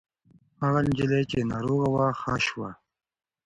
هغه نجلۍ چې ناروغه وه ښه شوه.